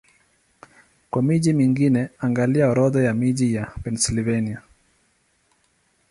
Kwa miji mingine, angalia Orodha ya miji ya Pennsylvania.